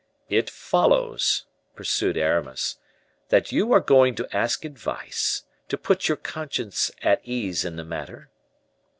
"It follows," pursued Aramis, "that you are going to ask advice, to put your conscience at ease in the matter?"